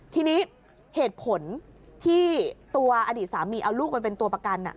ทีนี้เหตุผลที่ตัวอดีตสามีเอาลูกไปเป็นตัวประกัน